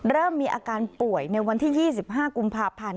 เริ่มมีอาการป่วยในวันที่๒๕กุมภาพันธ์